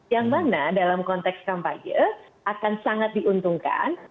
yang mana dalam konteks kampanye akan sangat diuntungkan